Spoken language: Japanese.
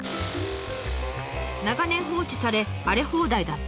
長年放置され荒れ放題だった山。